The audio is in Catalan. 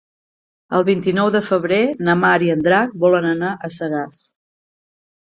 El vint-i-nou de febrer na Mar i en Drac volen anar a Sagàs.